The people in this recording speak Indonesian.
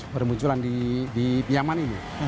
bermunculan di piaman ini